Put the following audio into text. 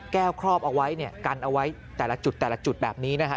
แก้วครอบเอาไว้กันเอาไว้แต่ละจุดแต่ละจุดแบบนี้นะครับ